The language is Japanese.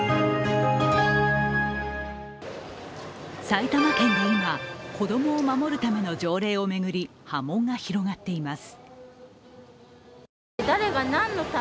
埼玉県で今、子供を守るための条例を巡り波紋が広がっています。